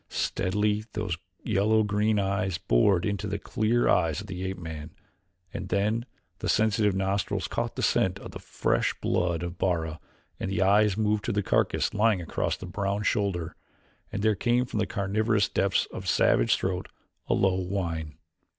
Steadily those yellow green eyes bored into the clear eyes of the ape man, and then the sensitive nostrils caught the scent of the fresh blood of Bara and the eyes moved to the carcass lying across the brown shoulder, and there came from the cavernous depths of the savage throat a low whine.